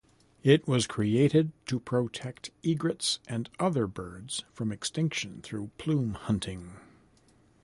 It was created to protect egrets and other birds from extinction through plume hunting.